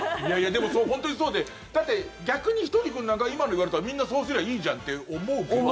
でも、本当にそうでだって、逆にひとり君なんか今の言われたらみんなそうすりゃいいじゃんって思うけど。